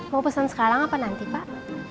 mau pesan sekarang apa nanti pak